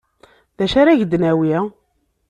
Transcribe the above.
D acu ara ak-d-nawi?